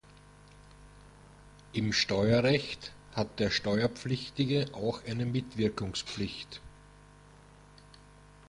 Im Steuerrecht hat der Steuerpflichtige auch eine Mitwirkungspflicht.